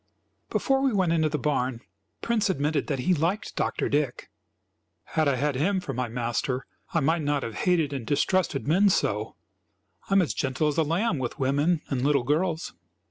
Before we went into the barn, Prince admitted that he liked Dr. Dick. "Had I had him for my master I might not have hated and distrusted men so. I am as gentle as a lamb with women and little girls."